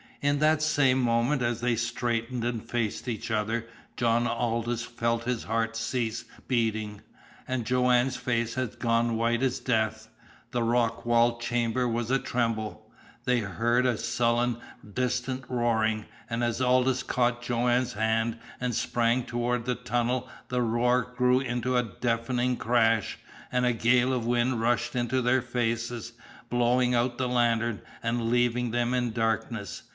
In that same moment, as they straightened and faced each other, John Aldous felt his heart cease beating, and Joanne's face had gone as white as death. The rock walled chamber was atremble; they heard a sullen, distant roaring, and as Aldous caught Joanne's hand and sprang toward the tunnel the roar grew into a deafening crash, and a gale of wind rushed into their faces, blowing out the lantern, and leaving them in darkness.